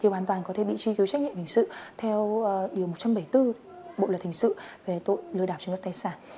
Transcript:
một trăm bảy mươi bốn bộ lợi thánh sự về tội lừa đảo chứng đoạt tài sản